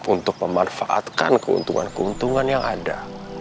untuk memanfaatkan keuntungan keuntungan yang ada